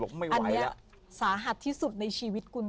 อันนี้สาหัสที่สุดในชีวิตคุณ